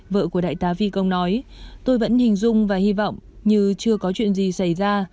vợ của đại tá vi công nói tôi vẫn hình dung và hy vọng như chưa có chuyện gì xảy ra